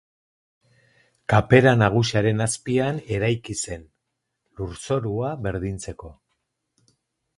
Kapera nagusiaren azpian eraiki zen, lurzorua berdintzeko.